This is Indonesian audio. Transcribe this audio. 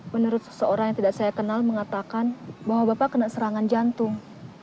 menurut seseorang yang tidak saya kenal mengatakan bahwa bapak kena serangan jantung